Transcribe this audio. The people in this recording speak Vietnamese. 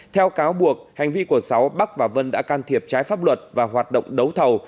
theo cáo buộc hành vi của sáu bắc và vân đã can thiệp trái pháp luật và hoạt động đấu thầu